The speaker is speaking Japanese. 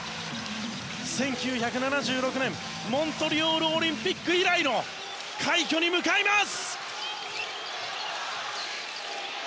１９７６年、モントリオールオリンピック以来の快挙に向かいます。